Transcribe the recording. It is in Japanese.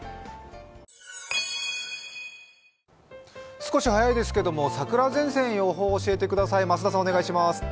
少し早いですけれども桜前線を教えてください。